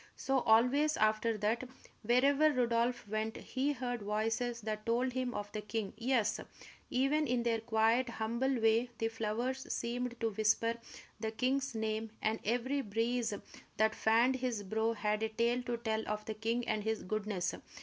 So, always after that, wherever Rodolph went, he heard voices that told him of the king; yes, even in their quiet, humble way, the flowers seemed to whisper the king's name, and every breeze that fanned his brow had a tale to tell of the king and his goodness.